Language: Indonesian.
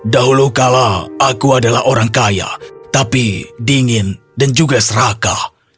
dahulu kala aku adalah orang kaya tapi dingin dan juga serakah